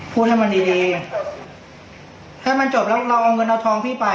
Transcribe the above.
พูดให้มันดีดีถ้ามันจบแล้วเราเอาเงินเอาทองพี่ไป